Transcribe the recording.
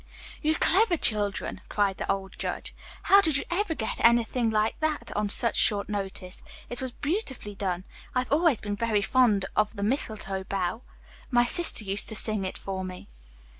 "You clever children," cried the old judge. "How did you ever get up anything like that on such short notice? It was beautifully done. I have always been very fond of 'The Mistletoe Bough.' My sister used to sing it for me."